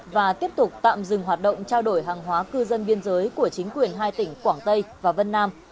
và tiếp tục tạm dừng hoạt động trao đổi hàng hóa cư dân biên giới của chính quyền hai tỉnh quảng tây và vân nam